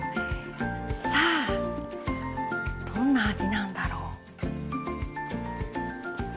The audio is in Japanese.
さあどんな味なんだろう？